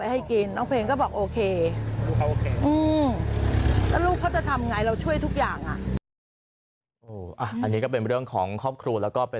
ไปให้กินน้องเพลงก็บอกโอเค